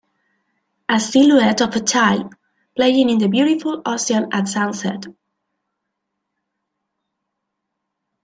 A silhouette of a child playing in the beautiful ocean at sunset.